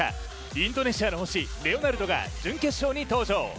インドネシアの星・レオナルドが準決勝に登場。